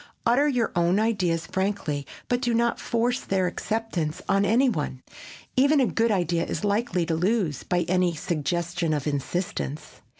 Utter your own ideas frankly but do not force their acceptance on any one. Even a good idea is likely to lose by any suggestion of insistence.